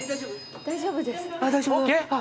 大丈夫です。ＯＫ？